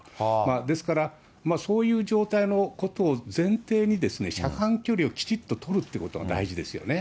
ですから、そういう状態のことを前提に、車間距離をきちっと取るということが大事ですよね。